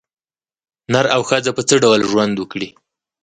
نر او ښځه په څه ډول ژوند وکړي.